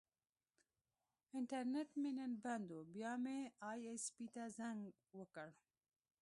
انټرنیټ مې نن بند و، بیا مې ائ ایس پي ته زنګ وکړ.